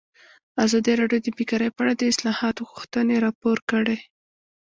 ازادي راډیو د بیکاري په اړه د اصلاحاتو غوښتنې راپور کړې.